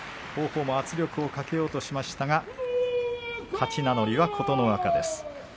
王鵬も圧力をかけようとしましたが勝ち名乗りは琴ノ若です。